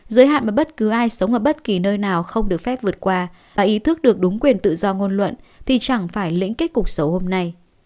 giới hạn mà bất cứ ai sống ở bất kỳ nơi nào không được phép vượt qua và ý thức được đúng quyền tự do ngôn luận thì chẳng phải lĩnh kết cuộc sống hôm nay